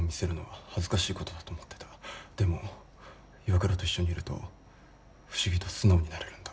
でも岩倉と一緒にいると不思議と素直になれるんだ。